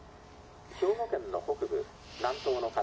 兵庫県の北部南東の風」。